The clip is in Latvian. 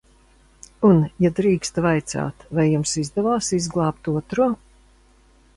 Un, ja drīkstu vaicāt, vai jums izdevās izglābt Otro?